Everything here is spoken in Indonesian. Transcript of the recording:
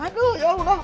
aduh ya allah